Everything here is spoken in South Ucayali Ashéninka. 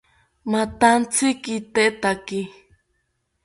Mathantzi kitetaki